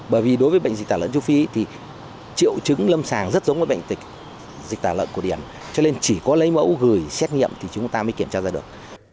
bởi vì đối với bệnh dịch tả lợn châu phi thì triệu chứng lâm sàng rất giống với bệnh dịch tả lợn cổ điển cho nên chỉ có lấy mẫu gửi xét nghiệm thì chúng ta mới kiểm tra ra được